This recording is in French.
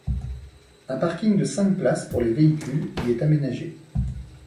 Un parking, de cinq places, pour les véhicules y est aménagé.